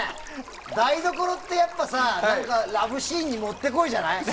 台所って、ラブシーンにもってこいじゃない？